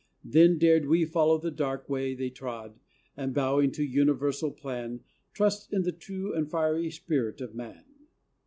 Then dared we follow the dark way they trod, And bowing to the universal plan Trust in the true and fiery spirit of Man.